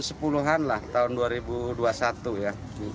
sepuluhan lah tahun dua ribu dua puluh satu ya